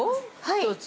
１つ？